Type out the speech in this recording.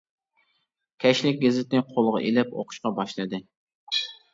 كەچلىك گېزىتنى قولىغا ئېلىپ ئوقۇشقا باشلىدى.